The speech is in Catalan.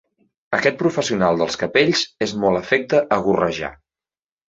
Aquest professional dels capells és molt afecte a gorrejar.